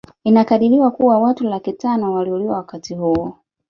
Inakadiriwa kuwa watu laki tano waliuliwa wakati huo